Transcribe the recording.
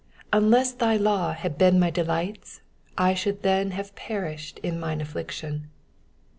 92 Unless thy law Aad been my delights, I should then have perished in mine affliction.